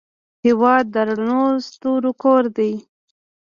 هېواد د رڼو ستورو کور دی.